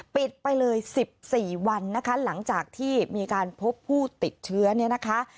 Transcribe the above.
ปิดไปเลย๑๔วันนะคะหลังจากที่มีการพบผู้ติดเชื้อเนี่ยนะคะ